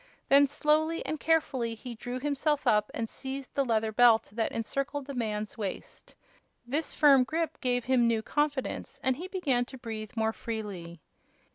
Then, slowly and carefully, he drew himself up and seized the leather belt that encircled the man's waist. This firm grip gave him new confidence, and he began to breathe more freely.